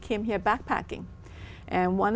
cho các cộng đồng